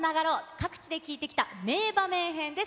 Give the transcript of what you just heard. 各地で聞いてきた名場面編です。